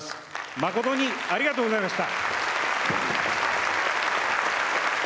誠にありがとうございました。